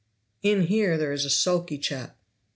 "In here there is a sulky chap."